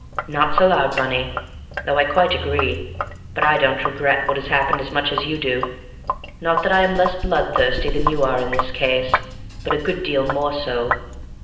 "Not so loud, Bunny, though I quite agree; but I don't regret what has happened as much as you do. Not that I am less bloodthirsty than you are in this case, but a good deal more so!